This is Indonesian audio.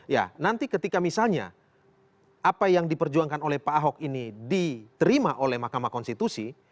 ya nanti ketika misalnya apa yang diperjuangkan oleh pak ahok ini diterima oleh mahkamah konstitusi